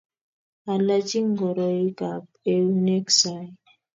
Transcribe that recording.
Alachi ngoroikab eunek sai